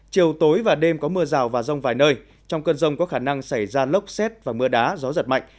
chiều tối và đêm có mưa rào và rông vài nơi trong cơn rông có khả năng xảy ra lốc xét và mưa đá gió giật mạnh